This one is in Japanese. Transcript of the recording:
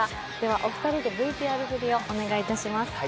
お二人でＶＴＲ振りをお願いします。